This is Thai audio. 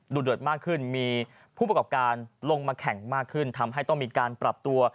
เดือดมากขึ้นมีผู้ประกอบการลงมาแข่งมากขึ้นทำให้ต้องมีการปรับตัว